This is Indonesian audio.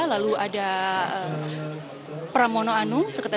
lalu ada pramono anu